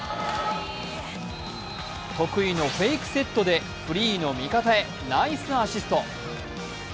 得意のフェイクセットでフリーの味方へナイスアシスト。